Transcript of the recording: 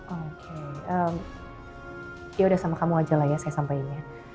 oke ya udah sama kamu aja lah ya saya sampaikan